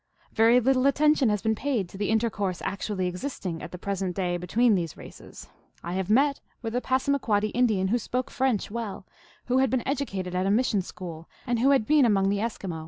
Very little attention has been paid to the intercourse act ually existing at the present day between these races. I have met with a Passamaquoddy Indian who spoke French well, who had been educated at a mission school, and who had been among the Eskimo.